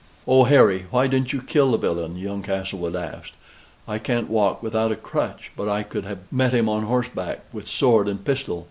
"Oh, Harry! why didn't you kill the villain?" young Castlewood asked. "I can't walk without a crutch: but I could have met him on horseback with sword and pistol."